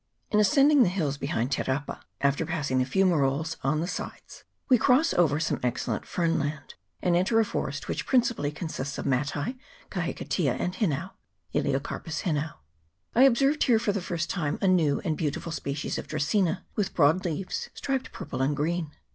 In ascending the hills behind Te rapa, after passing the fumeroles on the sides, we cross over some excellent fern land, and enter a forest, which principally consists of matai, kahikatea, and hinau (Elaeocarpus hinau). I observed here for the first time a new and beautiful species of Dracaena, with broad leaves, striped purple and green.